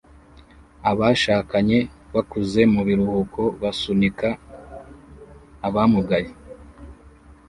Abashakanye bakuze mu biruhuko basunika abamugaye